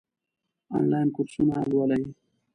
آنلاین کورسونه لولئ؟